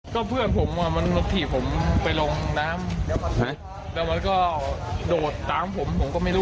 ก็เพื่อนผมอ่ะมันถีบผมไปลงน้ำแล้วมันก็โดดตามผมผมก็ไม่รู้